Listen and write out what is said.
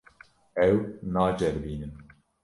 Ew naceribînin.